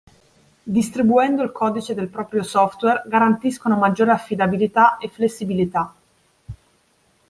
Distribuendo il codice del proprio software garantiscono maggiore affidabilità e flessibilità.